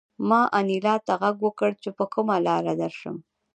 ما انیلا ته غږ وکړ چې په کومه لاره درشم